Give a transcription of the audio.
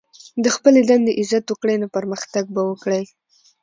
د خپلي دندې عزت وکړئ، نو پرمختګ به وکړئ!